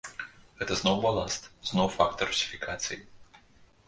Гэта зноў баласт, зноў фактар русіфікацыі.